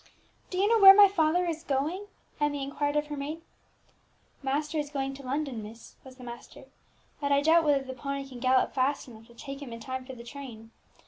"Do you know where my father is going?" Emmie inquired of her maid. "Master is going to London, miss," was the answer; "but I doubt whether the pony can gallop fast enough to take him in time for the train.